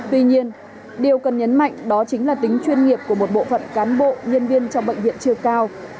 tuy nhiên điều cần nhấn mạnh đó chính là tính chuyên nghiệp của một bộ phận cán bộ nhân viên trong bệnh viện chưa cao